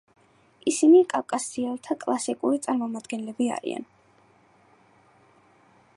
ისინი კავკასიელთა კლასიკური წარმომადგენლები არიან.